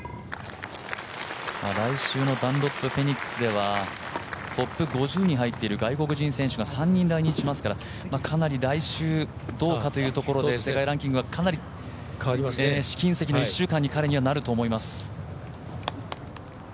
来週のダンロップフェニックスではトップ５０に入っている外国人選手が３人来日しますから、かなり来週どうかというところで世界ランキングはかなり試金石の１週間になると思います。